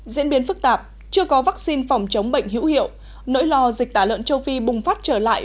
diễn biến phức tạp chưa có vaccine phòng chống bệnh hữu hiệu nỗi lo dịch tả lợn châu phi bùng phát trở lại